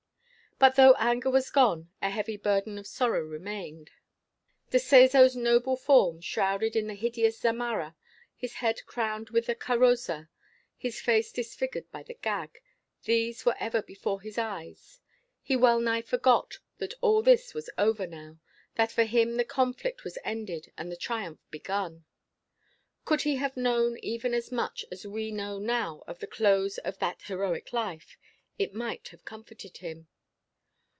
But though anger was gone, a heavy burden of sorrow remained. De Seso's noble form, shrouded in the hideous zamarra, his head crowned with the carroza, his face disfigured by the gag, these were ever before his eyes. He well nigh forgot that all this was over now that for him the conflict was ended and the triumph begun. Could he have known even as much as we know now of the close of that heroic life, it might have comforted him.